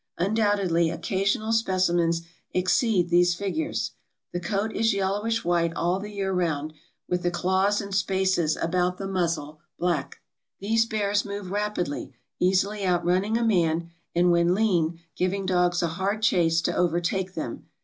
Undoubtedly occasional speci mens exceed these figures. The coat is yellowish white all the year round, with the claws and spaces about the muzzle black. These bears move rapidly, easily outrunning a man, and when lean, giving dogs a hard chase to overtake them.